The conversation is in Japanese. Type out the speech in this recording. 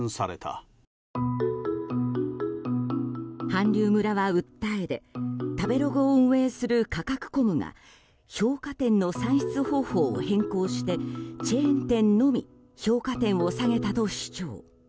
韓流村は訴えで食べログを運営するカカクコムが評価点の算出方法を変更してチェーン店のみ評価点を下げたと主張。